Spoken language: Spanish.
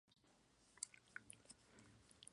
Se han registrado avistamientos en las islas de Hawái.